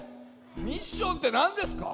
ミッションってなんですか？